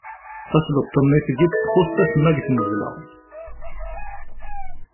Tasleḍt-nni tgiḍ txuṣṣ acemma deg tmeẓla.